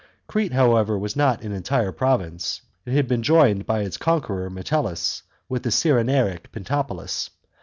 Crete, however, was not an entire province; it had been joined by its conqueror Metellus with the Cyrenaic pentapolis.